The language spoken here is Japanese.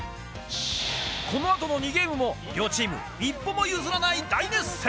このあとの２ゲームも、両チーム、一歩も譲らない大熱戦。